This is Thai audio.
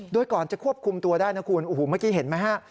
โดยก่อนจะควบคุมตัวได้นะคุณโอ้โหเมื่อกี้เห็นไหมฮะ